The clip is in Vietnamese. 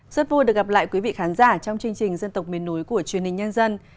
rất vui được gặp lại quý vị khán giả trong chương trình dân tộc miền núi của truyền hình nhân dân